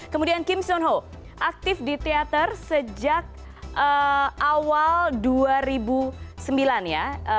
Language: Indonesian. kemudian kim so eun ho aktif di teater sejak awal dua ribu sembilan ya